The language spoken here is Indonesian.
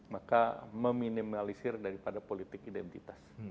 maka meminimalisir dari pada politik identitas